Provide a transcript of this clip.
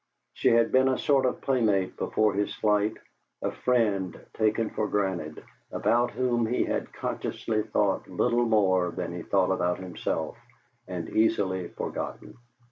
She had been a sort of playmate, before his flight, a friend taken for granted, about whom he had consciously thought little more than he thought about himself and easily forgotten.